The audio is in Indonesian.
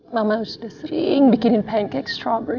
mama sudah sering bikinin pancake strawberry buat roy